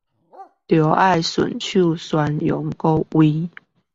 都要順手宣揚國威